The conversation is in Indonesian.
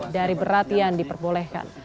dari beratian diperbolehkan